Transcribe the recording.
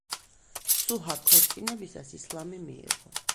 სუჰა ქორწინებისას ისლამი მიიღო.